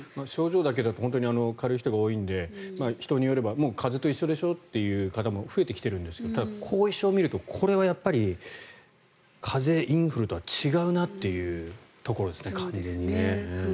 症状だけだと本当に軽い人が多いので人によれば風邪と一緒でしょと言う方も増えてきているんですがただ、後遺症を見るとこれはやっぱり風邪、インフルとは違うなというところですね。